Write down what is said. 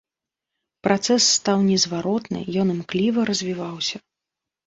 Працэс стаў незваротны, ён імкліва развіваўся.